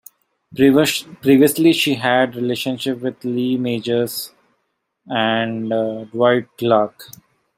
Previously she had relationships with Lee Majors and Dwight Clark.